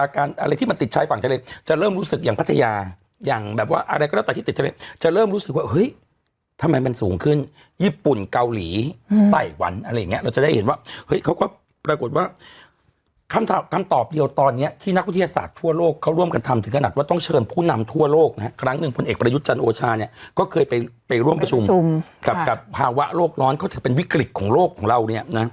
ขึ้นญี่ปุ่นเกาหลีอืมไตวันอะไรอย่างเงี้ยเราจะได้เห็นว่าเฮ้ยเขาก็ปรากฏว่าคำตอบคำตอบเดียวตอนเนี้ยที่นักวิทยาศาสตร์ทั่วโลกเขาร่วมกันทำถึงขนาดว่าต้องเชิญผู้นำทั่วโลกนะครับครั้งหนึ่งคนเอกประยุทธ์จันทร์โอชาเนี้ยเขาเคยไปไปร่วมประชุมกับกับภาวะโลกร้อนก็จะเป็นวิ